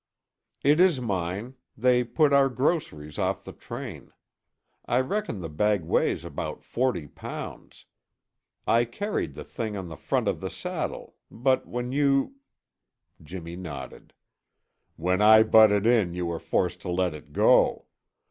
"It is mine. They put our groceries off the train. I reckon the bag weighs about forty pounds. I carried the thing on the front of the saddle; but when you " Jimmy nodded. "When I butted in you were forced to let it go!